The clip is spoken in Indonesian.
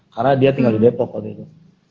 karena dia tinggal di depok waktu itu